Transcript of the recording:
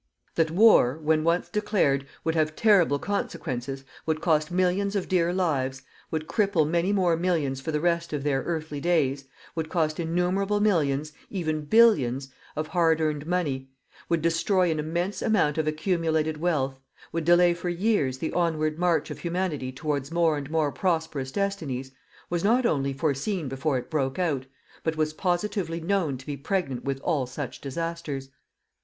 That war, when once declared, would have terrible consequences, would cost millions of dear lives, would cripple many more millions for the rest of their earthly days, would cost innumerable millions even billions of hard earned money, would destroy an immense amount of accumulated wealth, would delay for years the onward march of Humanity towards more and more prosperous destinies, was not only long foreseen before it broke out, but was positively known to be pregnant with all such disasters.